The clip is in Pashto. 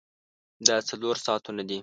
دا څلور ساعتونه دي.